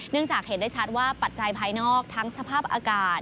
จากเห็นได้ชัดว่าปัจจัยภายนอกทั้งสภาพอากาศ